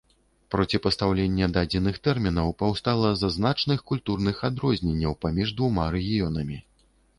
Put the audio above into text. Проціпастаўленне дадзеных тэрмінаў паўстала з-за значных культурных адрозненняў паміж двума рэгіёнамі.